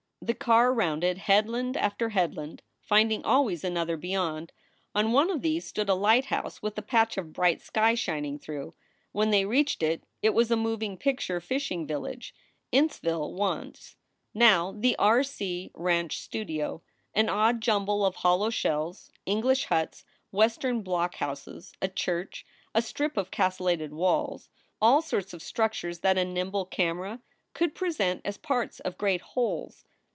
The car rounded headland after headland, finding always another beyond. On one of these stood a lighthouse with a patch of bright sky shining through. When they reached it it was a moving picture fishing village Inceville once, now the R. C. Ranch Studio, an odd jumble of hollow shells, English huts, Western block houses, a church, a strip of castellated walls all sorts of structures that a nimble camera could present as parts of great wholes.